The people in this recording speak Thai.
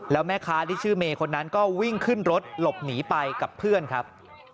แล้วแม่ค้าที่ชื่อเมย์คนนั้นก็วิ่งขึ้นรถหลบหนีไปกับเพื่อนครับ